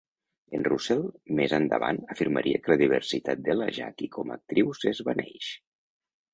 En Russell més endavant afirmaria que la diversitat de la Jacqui com actriu s'esvaneix.